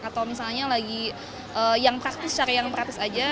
atau misalnya lagi yang praktis cari yang praktis aja